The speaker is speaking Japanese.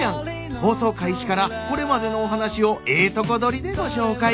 放送開始からこれまでのお話をええとこ取りでご紹介。